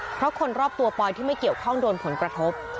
เพราะคนรอบตัวปอยที่ไม่เกี่ยวข้องโดนผลกระทบ